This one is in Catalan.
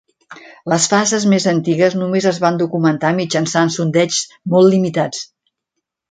Les fases més antigues només es van documentar mitjançant sondeigs molt limitats.